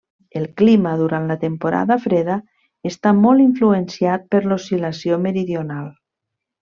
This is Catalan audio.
El clima durant la temporada freda està molt influenciat per l'oscil·lació meridional.